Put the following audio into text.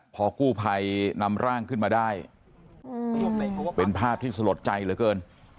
พอกู้ภัยนำร่างขึ้นมาได้เป็นภาพที่สลดใจเหลือเกิน